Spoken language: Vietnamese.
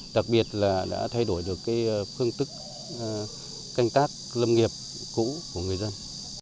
đặc biệt là đã thay đổi được phương tức canh tác lâm nghiệp cũ của người dân